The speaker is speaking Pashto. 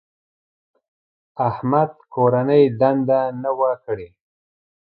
احمد کورنۍ دنده نه وه کړې.